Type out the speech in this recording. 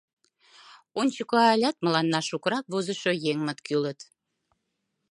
Ончыко алят мыланна шукырак возышо еҥмыт кӱлыт.